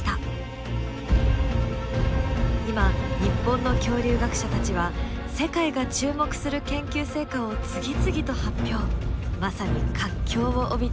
今日本の恐竜学者たちは世界が注目する研究成果を次々と発表まさに活況を帯びています。